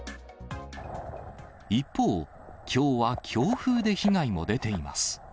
一方、きょうは強風で被害も出ています。